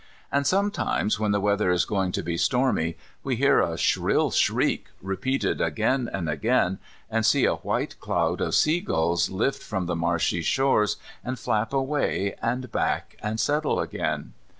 And sometimes when the weather is going to be stormy we hear a shrill shriek repeated again and again, and see a white cloud of seagulls lift from the marshy shores and flap away and back and settle again.